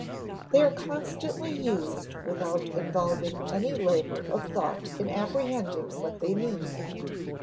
They are constantly used without involving any labor of thought in apprehending what they mean.